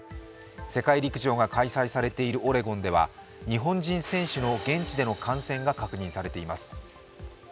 世界陸上が開催されているオレゴンでは日本人選手の現地での感染が確認されています。